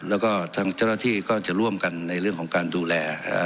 แล้วก็ทางเจ้าหน้าที่ก็จะร่วมกันในเรื่องของการดูแล